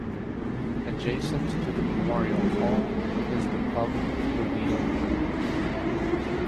Adjacent to the Memorial Hall is the pub The Wheel.